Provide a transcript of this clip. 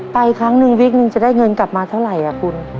ครั้งนึงวิกนึงจะได้เงินกลับมาเท่าไหร่คุณ